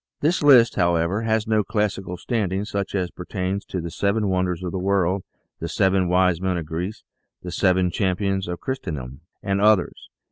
This list, however, has no classical standing such as pertains to the " Seven Wonders of the World," the " Seven Wise Men of Greece," the " Seven Champions of Christendom," and others.